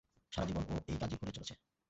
সারা জীবন ও এই কাজই করে চলেছে।